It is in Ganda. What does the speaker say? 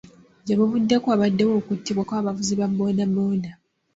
Gye buvuddeko wabaddewo okuttibwa kw'abavuzi ba boodabooda.